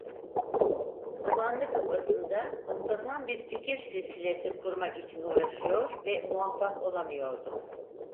Dumanlı kafasında muntazam bir fikir silsilesi kurmak için uğraşıyor ve muvaffak olamıyordu.